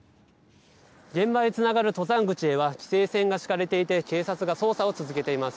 現場へつながる登山口へは規制線が敷かれていて警察が捜査を続けています。